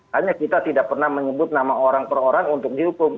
hanya kita tidak pernah menyebut nama orang per orang untuk dihukum